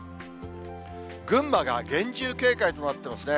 群馬が厳重警戒となってますね。